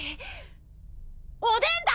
おでんだ！！